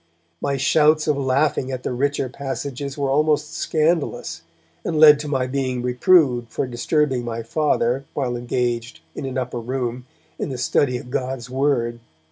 My shouts of laughing at the richer passages were almost scandalous, and led to my being reproved for disturbing my Father while engaged, in an upper room, in the study of God's Word.